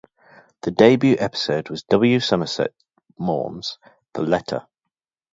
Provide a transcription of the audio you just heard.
The debut episode was W. Somerset Maugham's "The Letter".